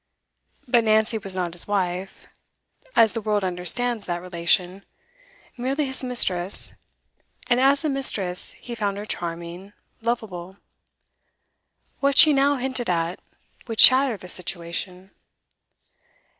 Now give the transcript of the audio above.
But Nancy was not his wife, as the world understands that relation; merely his mistress, and as a mistress he found her charming, lovable. What she now hinted at, would shatter the situation.